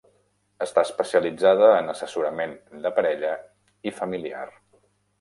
Està especialitzada en assessorament de parella i familiar.